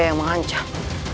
saya yang mengancam